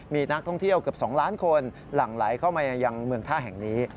มีนักท่องเที่ยวเกือบ๒ล้านคนหลั่งไหลเข้ามายังเมืองท่าแห่งนี้